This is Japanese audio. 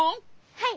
はい。